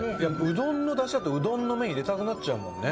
うどんのダシだったらうどんの麺入れたくなっちゃうもんね。